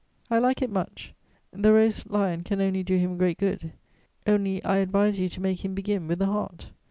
I like it much; the roast lion can only do him great good; only I advise you to make him begin with the heart.